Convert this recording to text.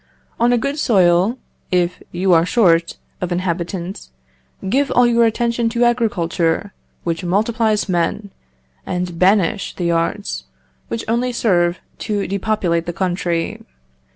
On a good soil, if you are short of inhabitants, give all your attention to agriculture, which multiplies men, and banish the arts, which only serve to depopulate the country....